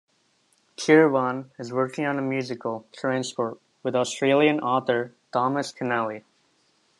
Kirwan is working on a musical: "Transport", with Australian author Thomas Keneally.